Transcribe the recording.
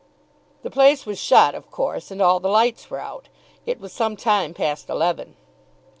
The place was shut, of course, and all the lights were out it was some time past eleven.